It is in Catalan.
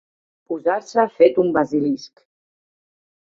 Posar-se fet un basilisc.